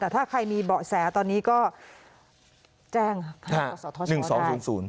แต่ถ้าใครมีเบาะแสตอนนี้ก็แจ้งภารกษาทศาสตร์ได้